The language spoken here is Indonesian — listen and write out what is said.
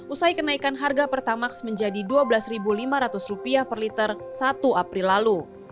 usai kenaikan harga pertamax menjadi rp dua belas lima ratus per liter satu april lalu